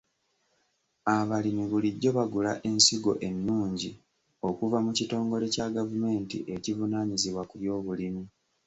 Abalimi bulijjo bagula ensigo ennungi okuva mu kitongole kya gavumenti ekivunaanyizibwa ku by'obulimi.